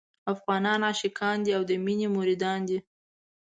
افغانان عاشقان دي او د مينې مريدان دي.